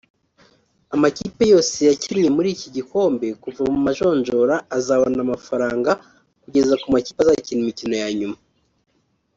Amakipe yose yakinnye muri iki gikombe kuva mu manjojora azabona amafaranga kugeza ku makipe azakina imikino yanyuma